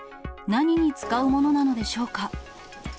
何に使うものなのでしょうか。